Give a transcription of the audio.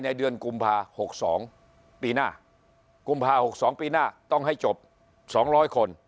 เดือนกุมภา๖๒ปีหน้ากุมภา๖๒ปีหน้าต้องให้จบ๒๐๐คน